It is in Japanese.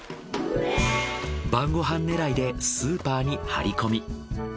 晩ご飯狙いでスーパーに張り込み。